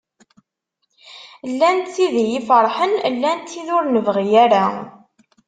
Llant tid iyi-ferḥen llant tid ur nebɣi ara.